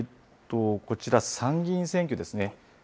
こちら、参議院選挙ですね。